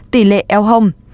tỷ lệ eo hông